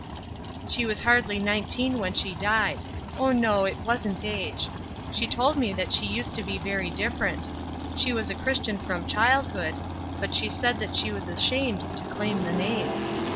"She was hardly nineteen when she died. Oh, no, it wasn't age; she told me that she used to be very different. She was a Christian from childhood, but she said that she was ashamed to claim the name.